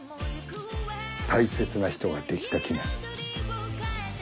大切な人ができた記念。